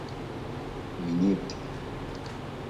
Миниплӏ.